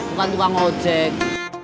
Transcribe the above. bukan tukang ojek